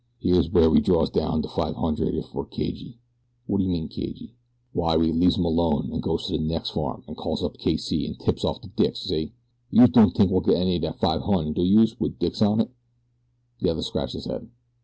Here's w'ere we draws down de five hundred if we're cagey." "Whaddaya mean, cagey?" "Why we leaves 'em alone an' goes to de nex' farm an' calls up K. C. an' tips off de dicks, see?" "Youse don't tink we'll get any o' dat five hun, do youse, wit de dicks in on it?" The other scratched his head.